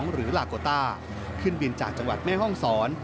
หรือลาโกต้าขึ้นบินจากจังหวัดแม่ห้องศร